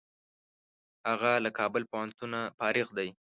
هغه له کابل پوهنتونه فارغ دی.